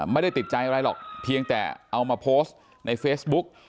ไม่ได้ติดใจอะไรหรอกเพียงแต่เอามาโพสต์ในเฟซบุ๊ก